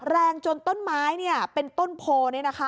แรงจนต้นไม้เนี่ยเป็นต้นโพนี่นะคะ